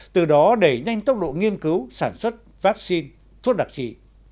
từ đó đẩy nhanh tốc độ nghiên cứu sản xuất vaccine thuốc đặc trị